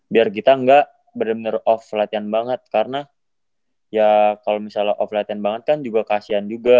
biar kita nggak bener bener off latihan banget karena ya kalau misalnya off latihan banget kan juga kasian juga